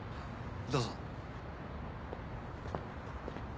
どうぞ。